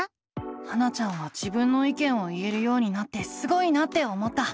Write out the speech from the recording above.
ハナちゃんは自分の意見を言えるようになってすごいなって思った。